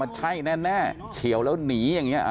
ใช่แน่เฉียวแล้วหนีอย่างนี้